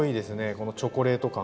このチョコレート感が。